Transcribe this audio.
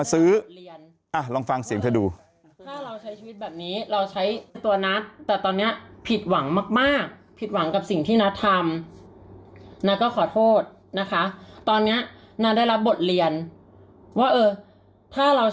แอรี่แอรี่แอรี่แอรี่แอรี่แอรี่แอรี่แอรี่